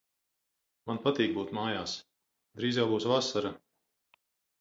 Man patīk būt mājās. Drīz jau būs vasara.